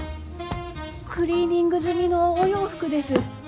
クリーニング済みのお洋服です。